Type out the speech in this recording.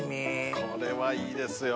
これはいいですよ。